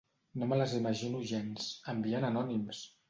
No me les imagino gens, enviant anònims!